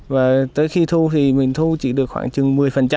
và tới khi thu thì mình thu chỉ được khoảng chừng một mươi